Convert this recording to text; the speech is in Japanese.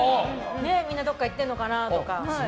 みんなどこか行ってるのかなとか。